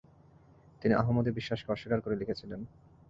তিনি আহমদী বিশ্বাসকে অস্বীকার করে লিখেছিলেন।